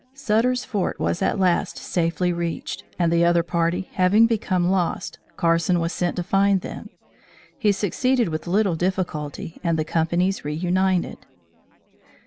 Sutter's Fort at last was safely reached, and the other party having become lost, Carson was sent to find them. He succeeded with little difficulty and the companies reunited.